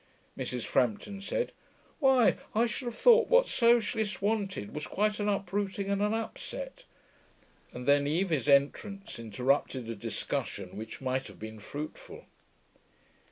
Mrs. Frampton said, 'Why, I should have thought what socialists wanted was quite an uprooting and an upset,' and then Evie's entrance interrupted a discussion which might have been fruitful.